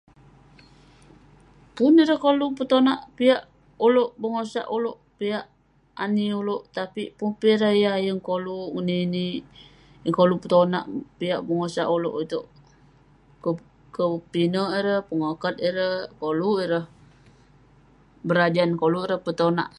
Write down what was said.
Pun ireh koluk petonak piak ulouk, bengosak ulouk, piak ulouk, ani ulouk. Tapi Pun peh ireh yah yeng koluk ngeninik, yeng koluk petonak bengosak ulouk itouk. Kepinek ireh, pengokat ireh koluk ireh berajan, koluk ireh petonak.